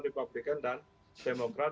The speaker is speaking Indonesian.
republikan dan demokrat